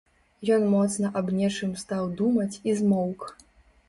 Ён моцна аб нечым стаў думаць і змоўк.